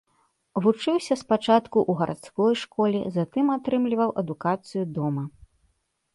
Вучыўся спачатку ў гарадской школе, затым атрымліваў адукацыю дома.